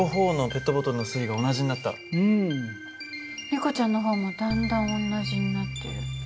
リコちゃんの方もだんだん同じになってる。